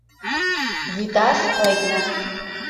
Вӱташ лекна.